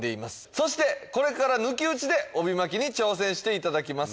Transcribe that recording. そしてこれから抜き打ちで帯巻きに挑戦していただきます